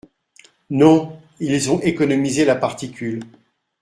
Non, ils ont économisé la particule.